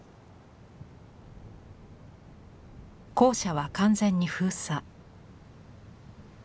校舎は完全に封鎖。